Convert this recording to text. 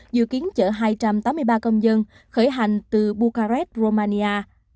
dự kiến chở hai trăm tám mươi ba công dân khởi hành từ bukaret romania